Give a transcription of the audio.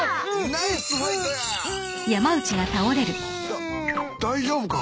だっ大丈夫か？